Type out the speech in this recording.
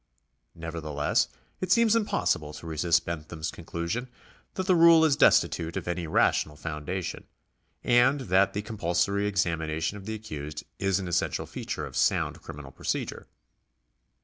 Nevertheless it seems impossible to resist Bentham's conclusion that the rule is destitute of any rational foundation, and that the compulsory examination of the accused is an essential featiu"e of sound criminal pro cedure.